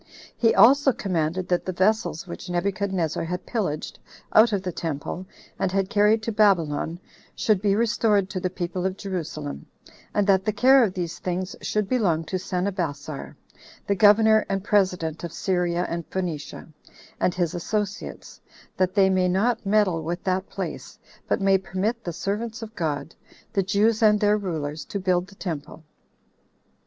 He also commanded that the vessels which Nebuchadnezzar had pillaged [out of the temple], and had carried to Babylon, should be restored to the people of Jerusalem; and that the care of these things should belong to Sanabassar, the governor and president of Syria and Phoenicia, and his associates, that they may not meddle with that place, but may permit the servants of God, the Jews and their rulers, to build the temple.